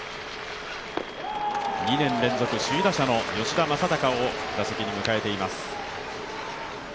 ２年連続首位打者の吉田正尚を打席に迎えています。